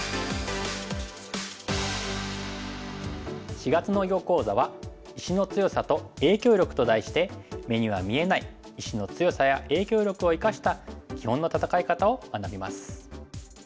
４月の囲碁講座は「石の強さと影響力」と題して目には見えない石の強さや影響力を生かした基本の戦い方を学びます。